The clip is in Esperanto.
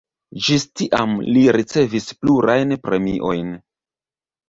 Ĝis tiam li ricevis plurajn premiojn.